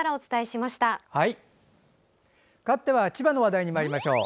かわっては千葉の話題にまいりましょう。